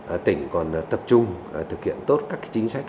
ở tỉnh còn tập trung thực hiện tốt các chính sách